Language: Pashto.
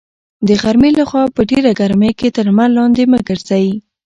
د غرمې لخوا په ډېره ګرمۍ کې تر لمر لاندې مه ګرځئ.